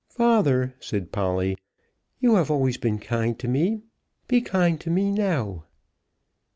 "Father," said Polly, "you have always been kind to me. Be kind to me now."